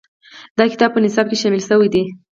دا کتاب په نصاب کې شامل شوی دی.